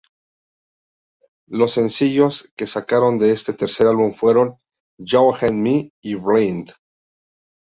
Los sencillos que sacaron de este tercer álbum fueron: You and me y Blind.